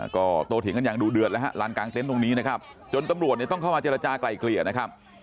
ก็โตเถียงกันอย่างดูเดือดแล้วฮะลานกลางเต็นต์ตรงนี้นะครับจนตำรวจเนี่ยต้องเข้ามาเจรจากลายเกลี่ยนะครับ